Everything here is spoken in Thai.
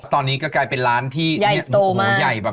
ตอนนี้ก็กลายเป็นร้านที่ใหญ่โตมากนั่งสบาย